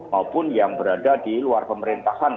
maupun yang berada di luar pemerintahan